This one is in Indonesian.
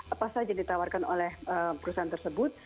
apa saja ditawarkan oleh perusahaan tersebut